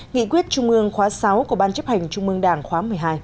nghị quyết trung ương khóa sáu của ban chấp hành trung mương đảng khóa một mươi hai